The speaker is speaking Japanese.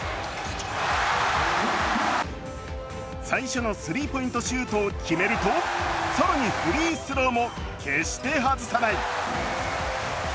最初のスリーポイントシュートを決めると更にフリースローも決して外さない。